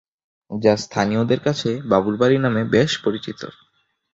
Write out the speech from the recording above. যা স্থানীয়দের কাছে "বাবুর বাড়ি" নামে বেশ পরিচিত।